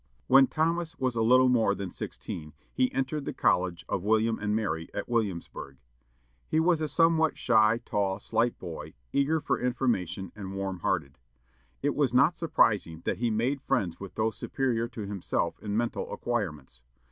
When Thomas was a little more than sixteen, he entered the college of William and Mary, at Williamsburg. He was a somewhat shy, tall, slight boy, eager for information, and warm hearted. It was not surprising that he made friends with those superior to himself in mental acquirements.